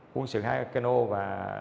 quân sự hai cano và